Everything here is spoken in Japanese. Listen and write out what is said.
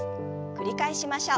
繰り返しましょう。